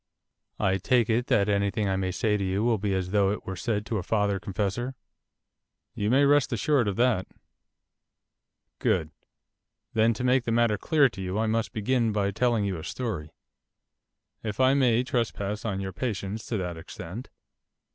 I take it that anything I may say to you will be as though it were said to a father confessor.' 'You may rest assured of that.' 'Good. Then, to make the matter clear to you I must begin by telling you a story, if I may trespass on your patience to that extent.